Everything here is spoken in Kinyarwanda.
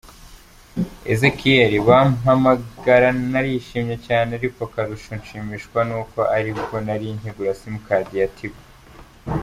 Ezechiel: Bampagara narishimye cyane, ariko akarusho nshimishwa nuko aribwo nari nkigura simukadi ya Tigo.